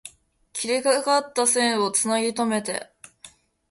切れかかった線を繋ぎとめて